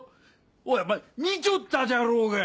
おいお前見ちょったじゃろうが！